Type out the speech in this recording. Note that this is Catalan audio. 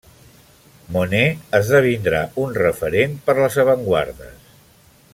Monet esdevindrà un referent per les avantguardes.